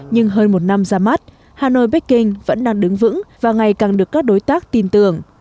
nhưng hơn một năm ra mắt hanoi baking vẫn đang đứng vững và ngày càng được các đối tác tin tưởng